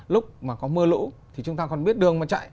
lúc mà có mưa lũ thì chúng ta còn biết đường mà chạy